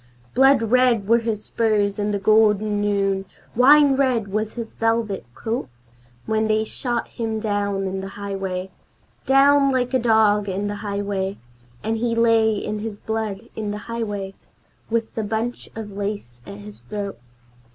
Blood red were his spurs in the golden noon, wine red was his velvet coat When they shot him down in the highway, Down like a dog in the highway, And he lay in his blood in the highway, with the bunch of lace at his throat.